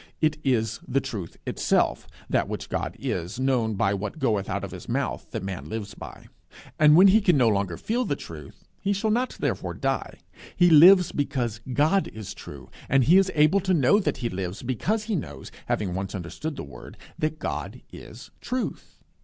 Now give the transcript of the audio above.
It is the Truth itself, that which God is, known by what goeth out of his mouth, that man lives by. And when he can no longer feel the truth, he shall not therefore die. He lives because God is true; and he is able to know that he lives because he knows, having once understood the word, that God is truth.